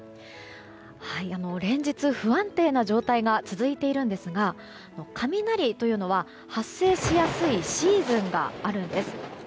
連日、不安定な状態が続いているんですが雷というのは発生しやすいシーズンがあるんです。